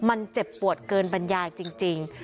มันเจ็บปวดเกินบรรยายจริง